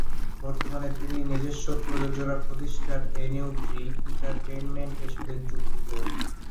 বর্তমানে তিনি নিজস্ব প্রযোজনা প্রতিষ্ঠান "এ নিউ ট্রি এন্টারটেইনমেন্ট"-এর সাথে যুক্ত।